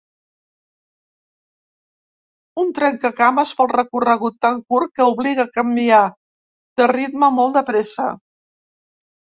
Un trencacames pel recorregut tant curt que obliga a canviar de ritme molt depresa.